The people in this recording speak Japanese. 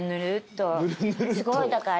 すごいだから。